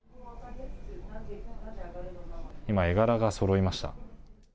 今、絵柄がそろいました。